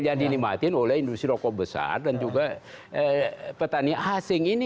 yang dinikmatin oleh industri rokok besar dan juga petani asing ini